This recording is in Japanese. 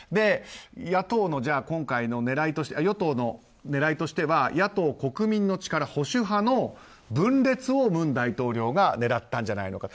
与党の今回の狙いとしては野党・国民の力、保守派の分裂を文大統領が狙ったんじゃないのかと。